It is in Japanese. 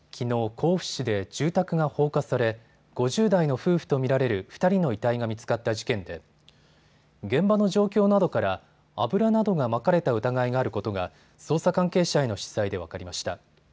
甲府市で住宅が放火され５０代の夫婦と見られる２人の遺体が見つかった事件で現場の状況などから油などがまかれた疑いがあることが捜査関係者への取材で分かりました。